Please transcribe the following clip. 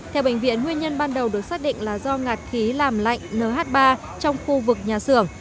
theo bệnh viện nguyên nhân ban đầu được xác định là do ngạt khí làm lạnh nh ba trong khu vực nhà xưởng